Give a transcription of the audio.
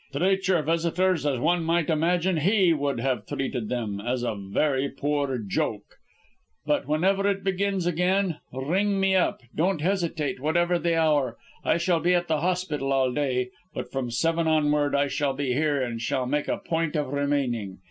Treat your visitors as one might imagine he would have treated them; as a very poor joke! But whenever it begins again, ring me up. Don't hesitate, whatever the hour. I shall be at the hospital all day, but from seven onward I shall be here and shall make a point of remaining.